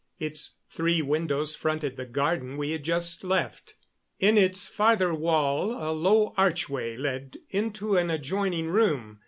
Its three windows fronted the garden we had just left; in its farther wall a low archway led into an adjoining room.